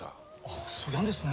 あっそぎゃんですね。